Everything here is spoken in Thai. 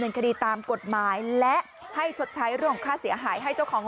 นี่นะ